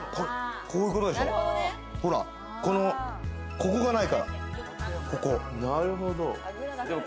ここがないから。